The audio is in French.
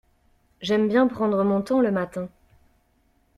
J'aime bien prendre mon temps le matin.